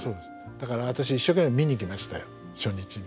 だから私一生懸命見に行きましたよ初日に。